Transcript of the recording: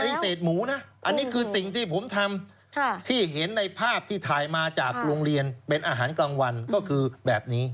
อันนี้เศษหมูนะอันนี้คือสิ่งที่ผมทำที่เห็นในภาพที่ถ่ายมาจากโรงเรียนเป็นอาหารกลางวันก็คือแบบนี้